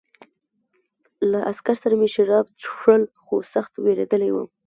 له عسکر سره مې شراب څښل خو سخت وېرېدلی وم